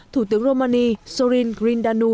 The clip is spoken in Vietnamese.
thủ tướng romani sorin grindanu